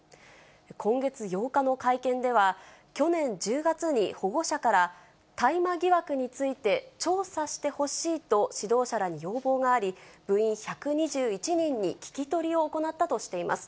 今月８日の会見では、去年１０月に保護者から、大麻疑惑について調査してほしいと、指導者らに要望があり、部員１２１人に聞き取りを行ったとしています。